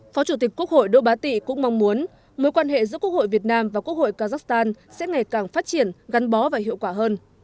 phó chủ tịch quốc hội đỗ bá tị cũng mong muốn mối quan hệ giữa quốc hội việt nam và quốc hội kazakhstan sẽ ngày càng phát triển gắn bó và hiệu quả hơn